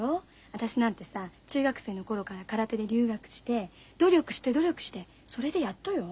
私なんてさ中学生の頃から空手で留学して努力して努力してそれでやっとよ。